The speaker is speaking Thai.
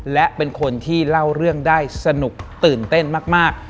และเป็นคนที่เล่าเรื่องได้สนุกตื่นเต้นมาก